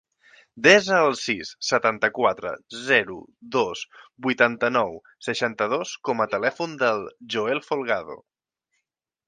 Desa el sis, setanta-quatre, zero, dos, vuitanta-nou, seixanta-dos com a telèfon del Joel Folgado.